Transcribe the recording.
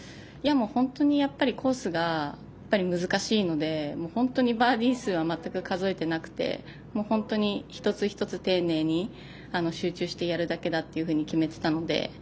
本当にコースが難しいので本当にバーディー数は全く数えていなくて本当に一つ一つ丁寧に集中してやるだけだって決めていたので。